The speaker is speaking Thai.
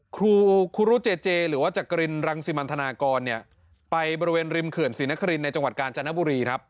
ครูรุเจเจหรือว่าจักรินรังสิมันธนากรไปบริเวณริมเขื่อนศรีนครินในจังหวัดกาญจนบุรีครับ